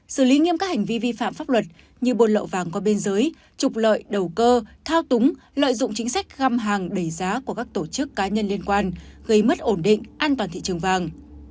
xử lý nghiêm các hành vi vi phạm pháp luật như buôn lậu vàng qua biên giới trục lợi đầu cơ thao túng lợi dụng chính sách găm hàng đầy giá của các tổ chức cá nhân liên quan gây mất ổn định an toàn thị trường vàng